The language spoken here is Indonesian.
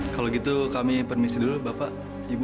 kalau gitu kami permisi dulu bapak ibu